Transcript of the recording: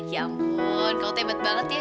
ya ampun kamu tuh hebat banget ya